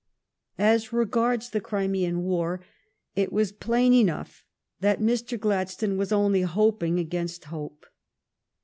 As regards the Crimean War, it was plain enough that Mr. Gladstone was only hoping against hope.